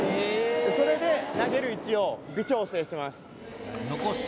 それで投げる位置を微調整してます